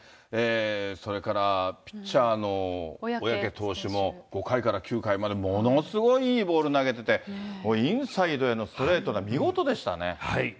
それからピッチャーの小宅投手も５回から９回までものすごいいいボール投げてて、インサイドへのストレートが見事でしたね。